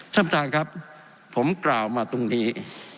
ท่านผู้ชมครับผมกล่าวมาตรงนี้